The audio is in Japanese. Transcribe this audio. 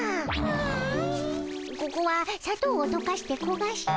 ここはさとうをとかしてこがした。